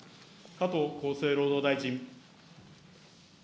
加藤厚生労働大臣。